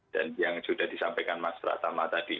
dan yang sudah disampaikan mas pratama tadi